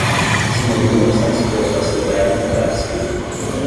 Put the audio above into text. Senhorio não está disposto a celebrar um contrato escrito